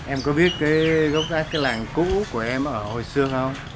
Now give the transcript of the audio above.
em có biết cái gốc gác cái làng cũ của em ở hồi xưa không